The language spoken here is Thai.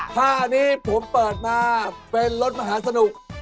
ผ้านี้ผมเปิดมาเป็นรถมหาสนุก